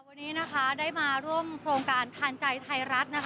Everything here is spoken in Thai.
วันนี้นะคะได้มาร่วมโครงการทานใจไทยรัฐนะคะ